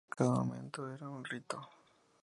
Cada momento era un rito.